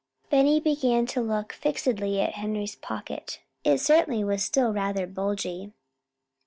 Benny began to look fixedly at Henry's pocket. It certainly was still rather bulgy.